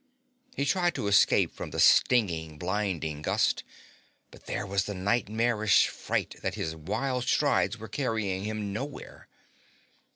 He tried to escape from the stinging, blinding gust, but there was the nightmarish fright that his wild strides were carrying him nowhere.